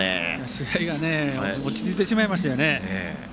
試合が落ち着いてしまいましたね。